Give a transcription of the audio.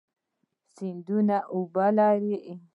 سیندونه اوبه لري.